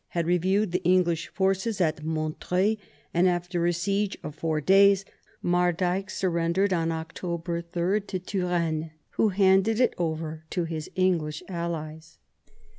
had reviewed the English forces at Montreuil, and after a siege of four days Mardyke surrendered on October 3 to Turenne, who handed it over to his English allies.